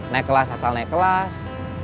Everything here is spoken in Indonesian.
naik kelas asal naik kelas